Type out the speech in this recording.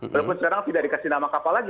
walaupun sekarang tidak dikasih nama kapal lagi